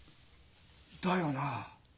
だよな？